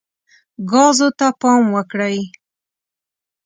ګازو ته پام وکړئ.